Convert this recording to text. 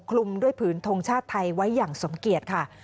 คลุมด้วยผืนทงชาติไทยไว้อย่างสมเกียจค่ะ